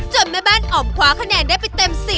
แม่บ้านอ๋อมคว้าคะแนนได้ไปเต็ม๑๐